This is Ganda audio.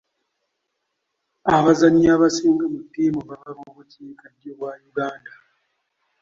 Abazannyi abasinga mu ttiimu bava mu bukiikaddyo bwa Uuganda.